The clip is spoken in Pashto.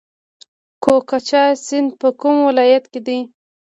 کوکچه سیند په کوم ولایت کې دی؟